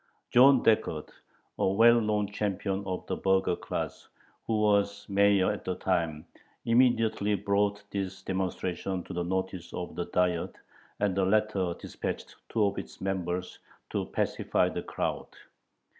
John Dekert, a well known champion of the burgher class, who was mayor at the time, immediately brought this demonstration to the notice of the Diet, and the latter dispatched two of its members to pacify the crowd.